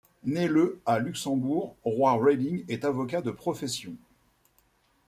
Né le à Luxembourg, Roy Reding est avocat de profession.